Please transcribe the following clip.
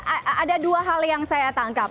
ada dua hal yang saya tangkap